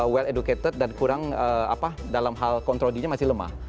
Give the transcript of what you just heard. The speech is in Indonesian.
well educated dan kurang apa dalam hal kontrolinya masih lemah